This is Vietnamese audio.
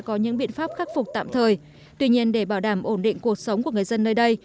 tìm pháp khắc phục tạm thời tuy nhiên để bảo đảm ổn định cuộc sống của người dân nơi đây